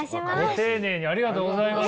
ご丁寧にありがとうございます。